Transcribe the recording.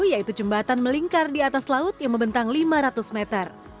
yaitu jembatan melingkar di atas laut yang membentang lima ratus meter